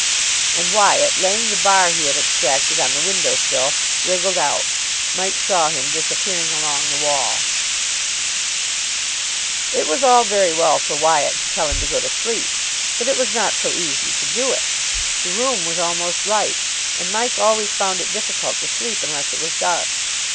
And Wyatt, laying the bar he had extracted on the window sill, wriggled out. Mike saw him disappearing along the wall. It was all very well for Wyatt to tell him to go to sleep, but it was not so easy to do it. The room was almost light; and Mike always found it difficult to sleep unless it was dark.